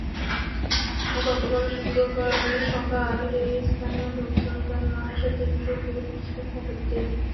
গতকাল শুক্রবার সকালে স্থানীয় লোকজন তাঁর লাশ দেখতে পেয়ে পুলিশকে খবর দেন।